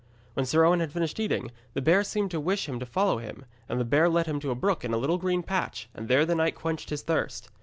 When Sir Owen had finished eating, the bear seemed to wish him to follow him, and the bear led him to a brook in a little green patch, and there the knight quenched his thirst.